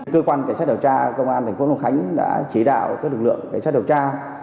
cơ quan cảnh sát điều tra công an thành phố long khánh đã chỉ đạo các lực lượng cảnh sát điều tra